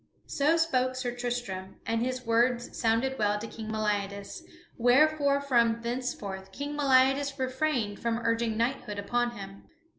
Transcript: So spoke Sir Tristram, and his words sounded well to King Meliadus, wherefore from thenceforth King Meliadus refrained from urging knighthood upon him.